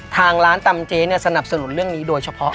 ทางร้านตำเจ๊เนี่ยสนับสนุนเรื่องนี้โดยเฉพาะ